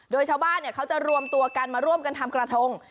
โดยชาวบ้านเขาจะรวมตัวกันมาร่วมกันทำกระทง